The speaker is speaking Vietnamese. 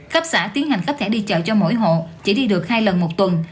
khắp xã tiến hành khắp thẻ đi chợ cho mỗi hộ chỉ đi được hai lần một tuần